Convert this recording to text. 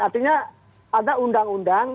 artinya ada undang undang